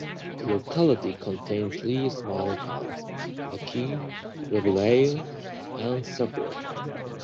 The locality contains three small towns: Anakie, Rubyvale, and Sapphire.